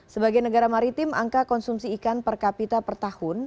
sebagai negara maritim angka konsumsi ikan per kapita per tahun